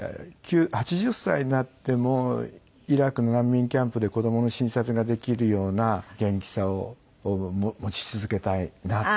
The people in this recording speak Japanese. ８０歳になってもイラクの難民キャンプで子供の診察ができるような元気さを持ち続けたいな。